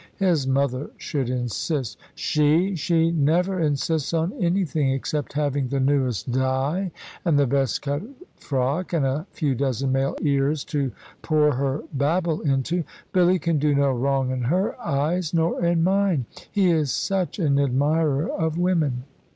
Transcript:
His mother should insist " "She! She never insists on anything, except having the newest dye and the best cut frock, and a few dozen male ears to pour her babble into. Billy can do no wrong in her eyes, nor in mine. He is such an admirer of women."